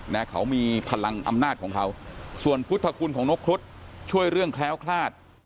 นะเขามีพลังอำนาจของเขาส่วนพุทธคุณของนกครุฑช่วยเรื่องแคล้วคลาด